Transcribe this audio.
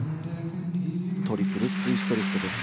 トリプルツイストリフトです。